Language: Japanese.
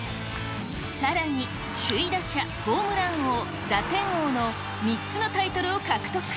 さらに、首位打者、ホームラン王、打点王の３つのタイトルを獲得。